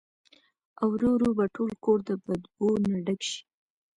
او ورو ورو به ټول کور د بدبو نه ډک شي